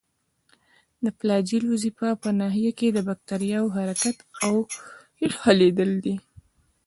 د فلاجیل وظیفه په ناحیه کې د باکتریاوو حرکت او نښلیدل دي.